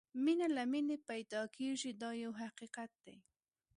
مینه له مینې پیدا کېږي دا یو حقیقت دی.